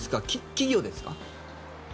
企業ですか？